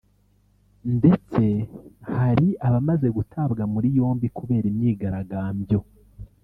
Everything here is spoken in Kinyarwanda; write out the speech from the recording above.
ndetse hari abamaze gutabwa muri yombi kubera imyigaragambyo